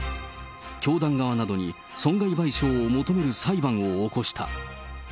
教団側などに損害賠償を求める裁判を起こした。